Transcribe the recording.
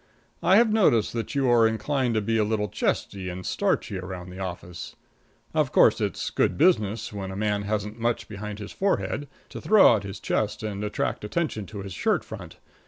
I have noticed that you are inclined to be a little chesty and starchy around the office. Of course, it's good business, when a fellow hasn't much behind his forehead, to throw out his chest and attract attention to his shirt front.